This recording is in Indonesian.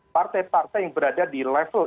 partai partai yang berada di level